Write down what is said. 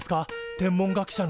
天文学者の。